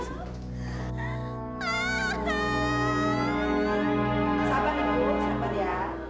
sabar ibu sabar ya